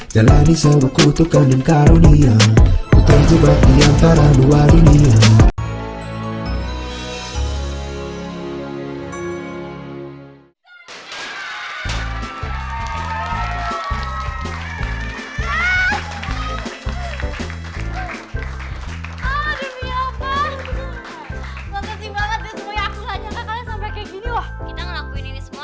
jalani sewuku tukang dan karunia ku terjebak di antara dua dunia